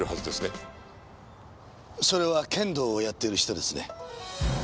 それは剣道をやっている人ですね。